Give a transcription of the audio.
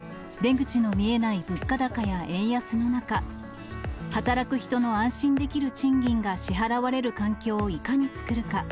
お給料として還元していただけると、出口の見えない物価高や円安の中、働く人の安心できる賃金が支払われる環境をいかに作るか。